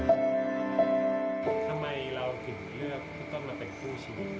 ทำไมเราถึงเลือกพี่ต้นมาเป็นคู่ชีวิต